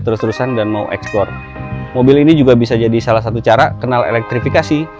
terus terusan dan mau ekspor mobil ini juga bisa jadi salah satu cara kenal elektrifikasi